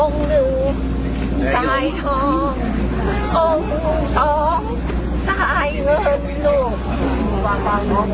หนึ่งสายทององค์สองสายเลิศโลก